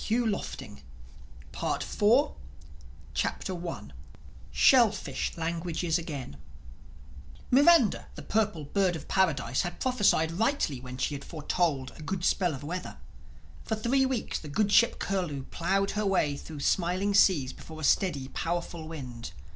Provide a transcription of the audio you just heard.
PART FOUR THE FIRST CHAPTER SHELLFISH LANGUAGES AGAIN MIRANDA, the Purple Bird of Paradise had prophesied rightly when she had foretold a good spell of weather. For three weeks the good ship Curlew plowed her way through smiling seas before a steady powerful wind.